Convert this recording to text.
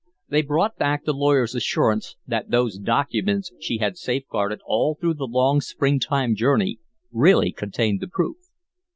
They brought back the lawyer's assurance that those documents she had safeguarded all through the long spring time journey really contained the proof.